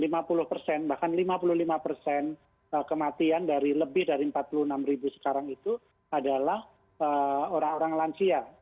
jadi lima puluh persen bahkan lima puluh lima persen kematian dari lebih dari empat puluh enam ribu sekarang itu adalah orang orang lansia